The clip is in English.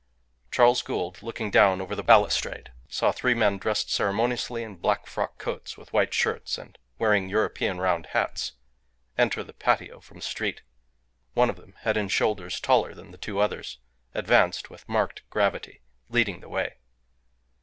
Charles Gould, looking down over the balustrade, saw three men dressed ceremoniously in black frock coats with white shirts, and wearing European round hats, enter the patio from the street. One of them, head and shoulders taller than the two others, advanced with marked gravity, leading the way.